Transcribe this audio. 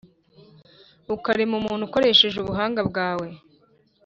ukarema umuntu ukoresheje Ubuhanga bwawe,